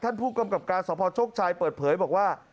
ท่านผู้กำกับการสอบภาวชกชายเปิดเผยบอกว่า